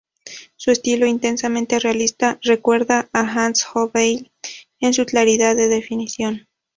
Su estilo intensamente realista recuerda a Hans Holbein en su claridad de definición.